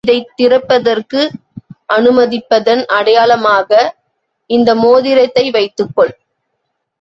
நீ இதைத் திறப்பதற்கு அனுமதிப்பதன் அடையாளமாக இந்த மோதிரத்தை வைத்துக் கொள்.